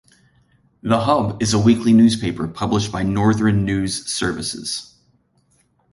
"The Hub" is a weekly newspaper published by Northern News Services.